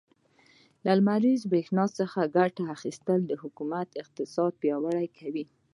له لمريزې برښنا څخه ګټه اخيستل, د حکومت اقتصاد پياوړی کوي.